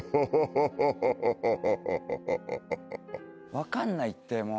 分かんないってもう。